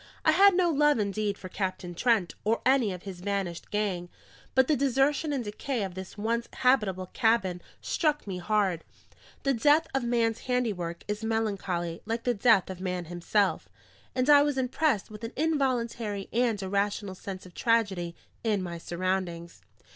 I had no love indeed for Captain Trent or any of his vanished gang; but the desertion and decay of this once habitable cabin struck me hard: the death of man's handiwork is melancholy like the death of man himself; and I was impressed with an involuntary and irrational sense of tragedy in my surroundings.